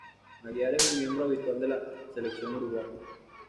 Aguiar es un miembro habitual de la Selección Uruguaya.